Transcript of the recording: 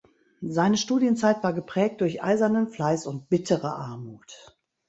Seine Studienzeit war geprägt durch eisernen Fleiß und bittere Armut.